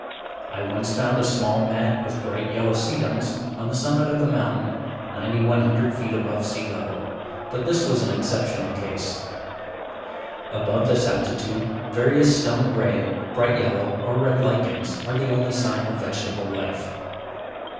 I once found a small mat of bright yellow sedums on the summit of a mountain, 9100 feet above sea level, but this was an exceptional case. Above this altitude, various stone gray, bright yellow, or red lichens, are the only sign of vegetable life.